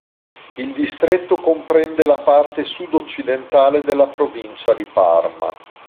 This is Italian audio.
Il distretto comprende la parte sud-occidentale della provincia di Parma.